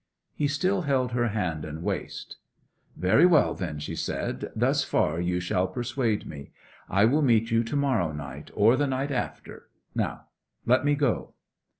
He still held her hand and waist. 'Very well, then,' she said. 'Thus far you shall persuade me. I will meet you to morrow night or the night after. Now, let me go.'